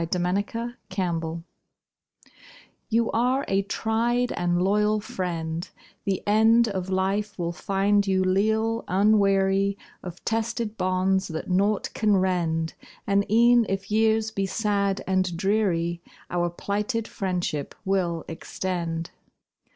TO MY SETTER, SCOUT You are a tried and loyal friend; The end Of life will find you leal, unweary Of tested bonds that naught can rend, And e'en if years be sad and dreary, Our plighted friendship will extend.